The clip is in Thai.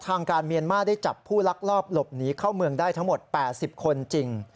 ทางการเมียนมาร์ได้จับผู้ลักลอบหลบหนีเข้าเมืองได้ทั้งหมด๘๐คนจริง